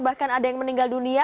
bahkan ada yang meninggal dunia